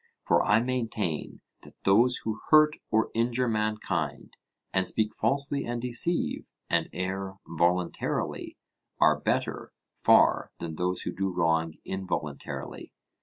For I maintain that those who hurt or injure mankind, and speak falsely and deceive, and err voluntarily, are better far than those who do wrong involuntarily.